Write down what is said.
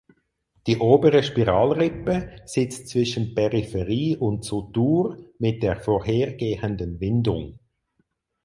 Die obere Spiralrippe sitzt zwischen Peripherie und Sutur (mit der vorhergehenden Windung).